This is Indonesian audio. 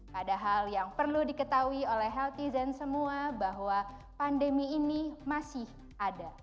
padahal yang perlu diketahui oleh healthy zen semua bahwa pandemi ini masih ada